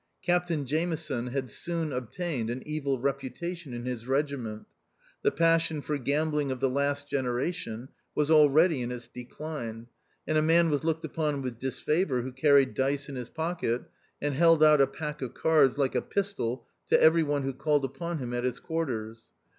Captain Jameson had soon obtained an evil reputation in his regiment. The passion for gambling of the last generation was already in its decline ; and a man was looked upon with disfavour who carried dice in his pocket, and held out a pack of cards like a pistol to every one who called upon him at his quarters.